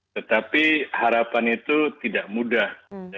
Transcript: tetapi harapan itu tidak mudah